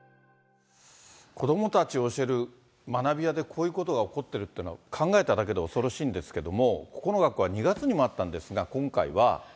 子どもたちを教える学びやでこういうことが起こっているというのは、考えただけで恐ろしいんですけど、ここの学校は２月にもあったんですが、今回は。